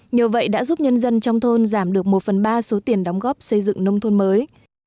nhờ vậy đã giúp nhân dân trong thôn giảm được một phần ba số tiền đóng góp xây dựng nông thôn mới